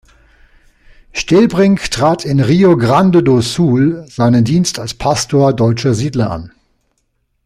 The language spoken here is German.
Stellbrink trat in Rio Grande do Sul seinen Dienst als Pastor deutscher Siedler an.